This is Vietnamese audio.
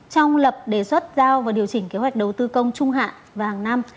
trong lập đề xuất giao và điều chỉnh kế hoạch đầu tư công trung hạn và hàng năm